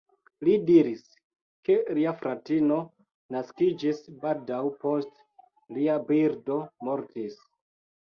Li diris, ke lia fratino naskiĝis baldaŭ post lia birdo mortis.